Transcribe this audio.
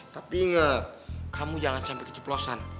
tapi nge kamu jangan sampai keciplosan